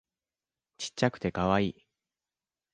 ちっちゃくてカワイイ